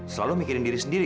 selalu mikirin diri sendiri